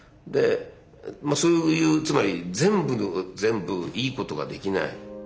そういうつまり全部が全部いいことができない。